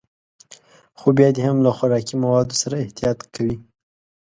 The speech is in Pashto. خو بيا دې هم له خوراکي موادو سره احتياط کوي.